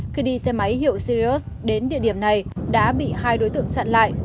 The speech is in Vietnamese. khi đi xe máy hiệu sirius đến địa điểm này đã bị hai đối tượng chặn lại